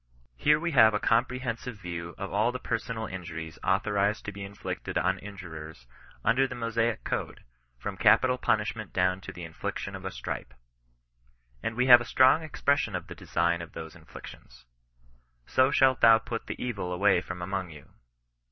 Here we have a compre hensive view of all the personal injuries authorized to be inflicted on injurers under the Mosaic code, from capital punishment down to the infliction of a stripe. And we nave a strong expression of the design of those inflic tions :—*^ So shalt thou put the evil away from among you."